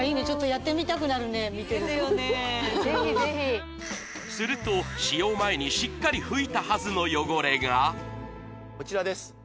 ちょっとやってみたくなるね見てるとすると使用前にしっかり拭いたはずの汚れがこちらです